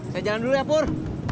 saya jalan dulu ya buurr